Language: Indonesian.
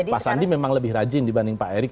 pak sandi memang lebih rajin dibanding pak erick